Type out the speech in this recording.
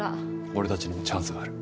俺たちにもチャンスがある。